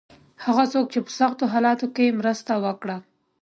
هغه څوک چې په سختو حالاتو کې مرسته وکړه.